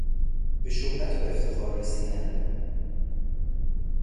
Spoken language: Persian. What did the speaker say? به شهرت و افتخار رسیدن